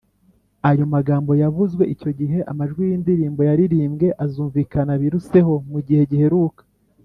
! Ayo magambo yavuzwe icyo gihe, amajwi y’indirimbo yaririmbwe, azumvikana biruseho mu gihe giheruka